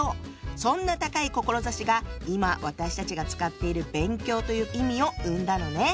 そんな高い志が今私たちが使っている「勉強」という意味を生んだのね。